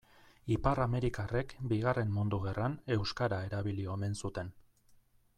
Ipar-amerikarrek Bigarren Mundu Gerran euskara erabili omen zuten.